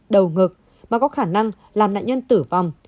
đầu ngực mà có khả năng làm nạn nhân tử vong